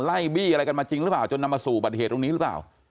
บี้อะไรกันมาจริงหรือเปล่าจนนำมาสู่บัติเหตุตรงนี้หรือเปล่า